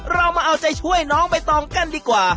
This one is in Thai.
เรามาเอาใจช่วยน้องใบตองกันดีกว่า